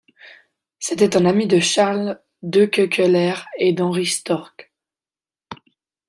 C’était un ami de Charles Dekeukeleire et d’Henri Storck.